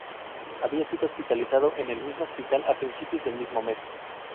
Había sido hospitalizado en el mismo hospital a principios del mismo mes.